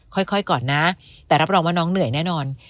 ค่อยก่อนนะแต่รับรองว่าน้องเหนื่อยแน่นอน